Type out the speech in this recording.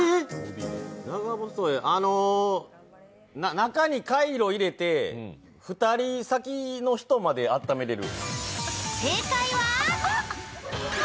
中にカイロを入れて、２人先の人まであっためられる。